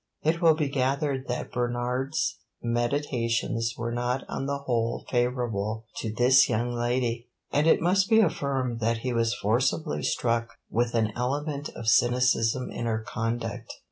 It will be gathered that Bernard's meditations were not on the whole favorable to this young lady, and it must be affirmed that he was forcibly struck with an element of cynicism in her conduct.